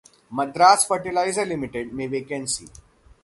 Madras fertiliser limited में vacancy